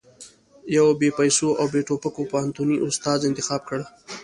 يو بې پيسو او بې ټوپکو پوهنتوني استاد انتخاب کړ.